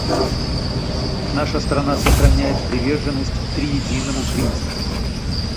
Наша страна сохраняет приверженность «триединому» принципу.